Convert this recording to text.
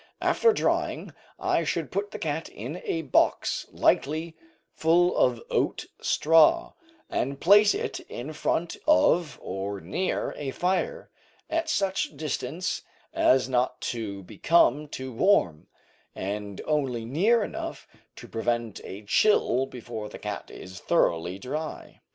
After drying I should put the cat in a box lightly, full of oat straw, and place it in front of, or near a fire, at such distance as not to become too warm, and only near enough to prevent a chill before the cat is thoroughly dry.